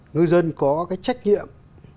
ngư dân có cái trách nhiệm